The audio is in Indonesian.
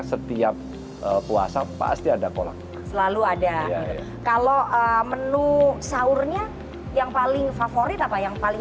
setiap puasa pasti ada kolak selalu ada kalau menu sahurnya yang paling favorit apa yang paling